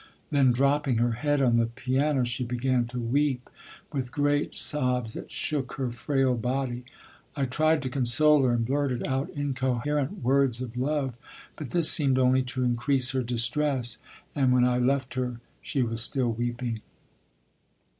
Then, dropping her head on the piano, she began to weep with great sobs that shook her frail body. I tried to console her, and blurted out incoherent words of love, but this seemed only to increase her distress, and when I left her, she was still weeping.